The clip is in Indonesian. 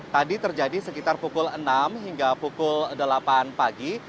tadi terjadi sekitar pukul enam hingga pukul delapan pagi